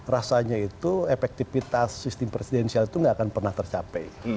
rasanya itu efektivitas sistem presidensial itu nggak akan pernah tercapai